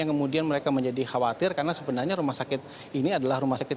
yang kemudian mereka menjadi khawatir karena sebenarnya rumah sakit ini adalah rumah sakit